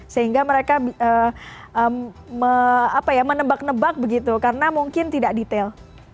sehingga mereka menebak nebak begitu karena mungkin tidak detail